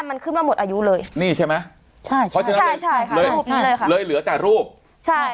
มันขึ้นว่าหมดอายุเลยนี่ใช่ไหมใช่ใช่เลยเหลือแต่รูปใช่